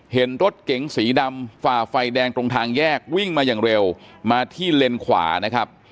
เห็นรถเก๋งสีดำฝ่าไฟแดงตรงทางแยกวิ่งมาอย่างเร็วมาที่เลนขวานะครับ